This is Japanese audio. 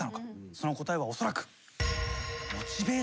その答えはおそらく。